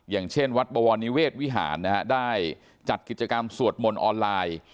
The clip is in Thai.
อย่างเช่นวัดบวรนิเวศวิหารนะฮะได้จัดกิจกรรมสวดมนต์ออนไลน์